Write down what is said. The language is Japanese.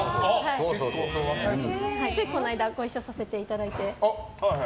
ついこの間ご一緒させていただいて。